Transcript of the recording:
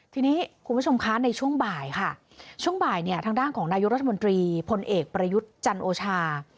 ทีนี้คุณผู้ชมคะในช่วงบ่ายค่ะช่วงบ่ายเนี่ยทางด้านของนายกรัฐมนตรีพลเอกประยุทธ์จันโอชา